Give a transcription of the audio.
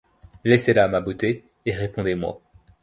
Laissez là ma beauté, et répondez-moi.